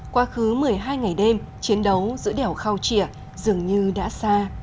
qua khứ một mươi hai ngày đêm chiến đấu giữa đèo khao chỉa dường như đã xa